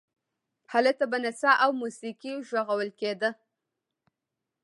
هلته به نڅا او موسیقي غږول کېده.